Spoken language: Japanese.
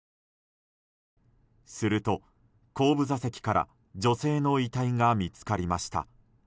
すると、後部座席から女性の遺体が見つかりました。